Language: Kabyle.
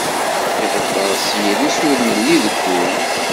Iheddeṛ s yiles ur as-nelli deg ul.